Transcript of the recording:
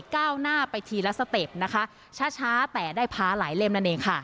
ก้าวหน้าไปทีละสเต็ปนะคะช้าช้าแต่ได้พาหลายเล่มนั่นเองค่ะ